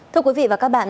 thưa quý vị và các bạn